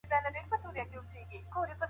د پښتو د ودې کاروان.